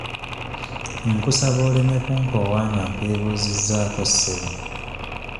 Nkusaba oleme kunkoowa nga nkwebuuzizzaako ssebo.